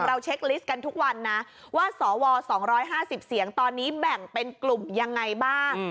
เช็คลิสต์กันทุกวันนะว่าสว๒๕๐เสียงตอนนี้แบ่งเป็นกลุ่มยังไงบ้าง